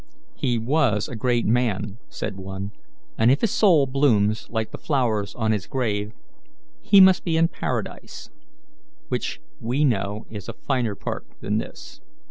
"He was a great man," said one, "and if his soul blooms like the flowers on his grave, he must be in paradise, which we know is a finer park than this."